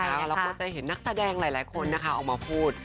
เราก็จะเห็นนักแสดงหลายคนนะคะออกมาพูด